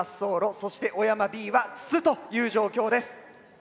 そして小山Ｂは筒という状況です。